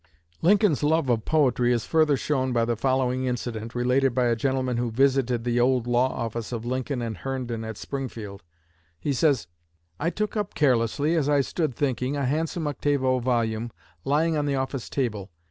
'" Lincoln's love of poetry is further shown by the following incident, related by a gentleman who visited the old law office of Lincoln & Herndon, at Springfield. He says: "I took up carelessly, as I stood thinking, a handsome octavo volume lying on the office table.